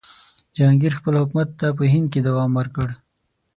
جهانګیر خپل حکومت ته په هند کې دوام ورکړ.